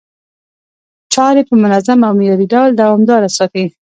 چاري په منظم او معياري ډول دوامداره ساتي،